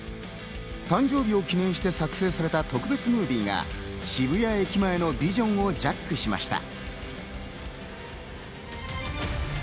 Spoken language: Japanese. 誕生日を記念して作成された特別ムービーが渋谷駅前のビジョンをジャックしました。